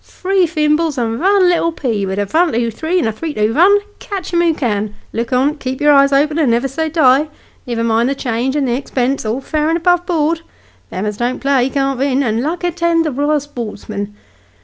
Three thimbles and vun little pea with a vun, two, three, and a two, three, vun : catch him who can, look on, keep your eyes open, and niver say die ! niver mind the change, and the expense : all fair and above board : them as don't play can't vin, and luck attend the ryal sportsman